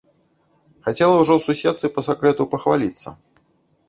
Хацела ўжо суседцы па сакрэту пахваліцца.